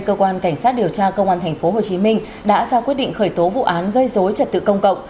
cơ quan cảnh sát điều tra công an tp hcm đã ra quyết định khởi tố vụ án gây dối trật tự công cộng